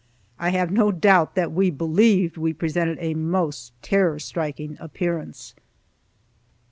I have no doubt that we believed we presented a most terror striking appearance.